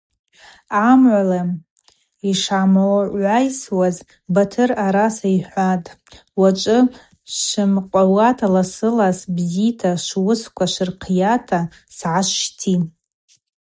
Амгӏвала йшгӏамгӏвайсуаз Батыр араса йхӏватӏ: Уачӏвы швымкъвауата ласылас бзита швуысква швырхъйата сгӏашвщти.